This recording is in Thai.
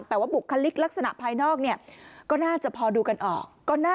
แต่ว่าบุคลิกลักษณะภายนอกก็น่าจะพอดูกันออก